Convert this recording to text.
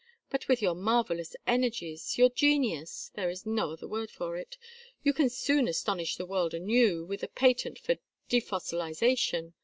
But with your marvellous energies, your genius there is no other word for it you can soon astonish the world anew with a patent for defossilization.